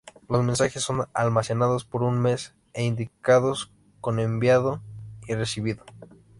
Los mensajes son almacenados por un mes e indicados con "enviado" y "recibido".